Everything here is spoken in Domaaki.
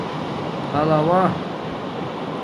حَلوݳ